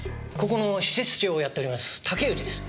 ここの施設長をやっております竹内です。